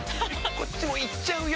こっちも行っちゃうよ！